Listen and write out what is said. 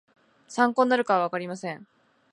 参考になるかはわかりません